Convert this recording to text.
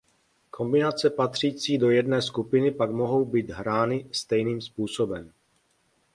Kombinace patřící do jedné skupiny pak mohou být hrány stejným způsobem.